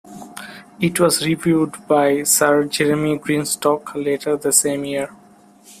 It was reviewed by Sir Jeremy Greenstock later the same year.